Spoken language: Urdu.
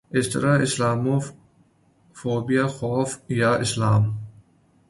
اس طرح اسلامو فوبیا خوف یا اسلام